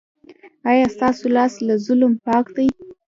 ایا ستاسو لاس له ظلم پاک دی؟